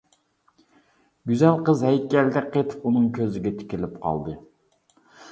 گۈزەل قىز ھەيكەلدەك قېتىپ ئۇنىڭ كۆزىگە تىكىلىپ قالدى.